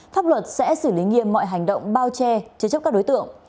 pháp luật sẽ xử lý nghiêm mọi hành động bao che chế chấp các đối tượng